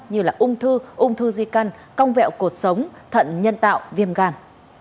như là ung thư ung thư di căn cong vẹo cuộc sống thận nhân tạo viêm gan